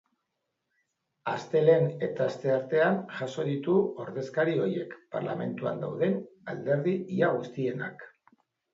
Astelehen eta asteartean jaso ditu ordezkari horiek, parlamentuan dauden alderdi ia guztienak.